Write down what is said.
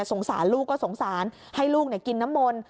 สงสารลูกก็สงสารให้ลูกกินน้ำมนต์